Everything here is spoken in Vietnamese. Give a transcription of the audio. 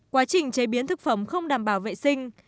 quá trình chế biến thực phẩm không đảm bảo vệ sinh